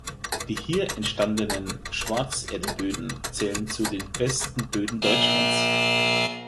Die hier entstandenen Schwarzerdeböden zählen zu den besten Böden Deutschlands.